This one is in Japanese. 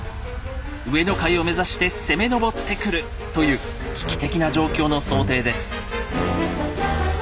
上の階を目指して攻め上ってくるという危機的な状況の想定です。